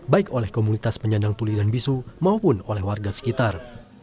baik oleh komunitas penyandang tuli dan bisu maupun oleh warga sekitar